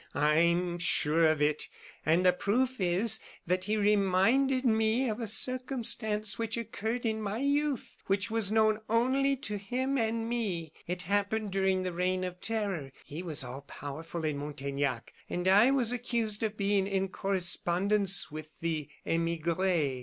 I am sure of it, and the proof is, that he reminded me of a circumstance which occurred in my youth, and which was known only to him and me. It happened during the Reign of Terror. He was all powerful in Montaignac; and I was accused of being in correspondence with the emigres.